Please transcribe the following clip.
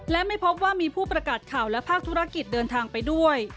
และไม่พบว่ามีผู้ประกาศข่าวและภาคธุรกิจเดินทางไปด้วย